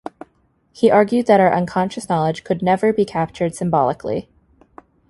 He argued that our unconscious knowledge could "never" be captured symbolically.